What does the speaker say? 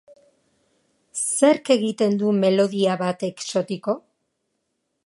Zerk egiten du melodia bat exotiko?